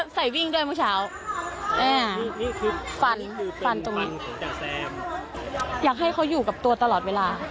ใส่วิ่งด้วยเมื่อเช้านี่คือฟันฟันตรงนี้อยากให้เขาอยู่กับตัวตลอดเวลา